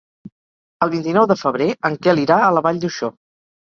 El vint-i-nou de febrer en Quel irà a la Vall d'Uixó.